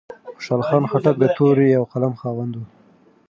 خوشال خان خټک د تورې او قلم خاوند و.